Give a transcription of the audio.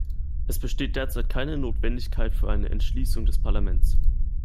Es besteht derzeit keine Notwendigkeit für eine Entschließung des Parlaments.